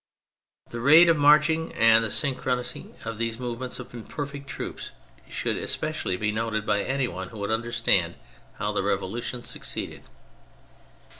The rate of marching and the synchrony of these movements of imperfect troops should especially be noted by any one who would understand how the Revolution succeeded.